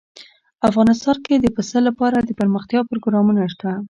افغانستان کې د پسه لپاره دپرمختیا پروګرامونه شته.